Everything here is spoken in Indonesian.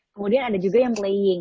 kemudian ada juga yang playing